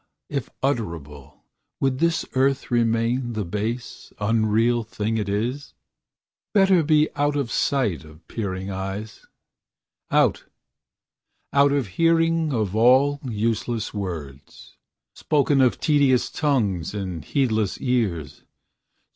if utterable, would this earth Remain the base, unreal thing it is? Better be out of sight of peering eyes; Out out of hearing of all useless words, Spoken of tedious tongues in heedless ears.